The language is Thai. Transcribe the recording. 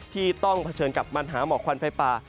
ที่ต้องเผชิญกับปัญหาหมอกควันไฟป่า